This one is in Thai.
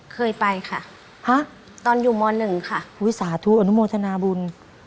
เคยไปค่ะฮะตอนอยู่ม๑ค่ะวิสาธุอนุโมทนาบุญ